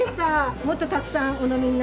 もっとたくさんお飲みになって。